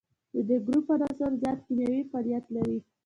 د دې ګروپ عنصرونه زیات کیمیاوي فعالیت لري.